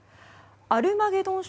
アルマゲドン